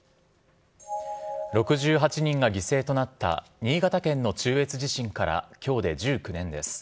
６８人が犠牲となった新潟県の中越地震から、きょうで１９年です。